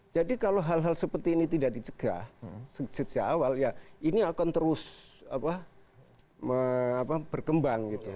jadi kalau hal hal seperti ini tidak dicegah sejak awal ya ini akan terus berkembang gitu